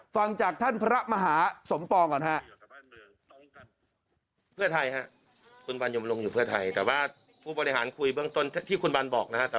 ฟังจากท่านพระมหาสมปองก่อนฮะ